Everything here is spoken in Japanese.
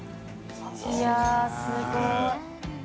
い筺すごい。